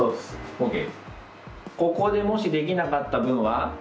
ＯＫ！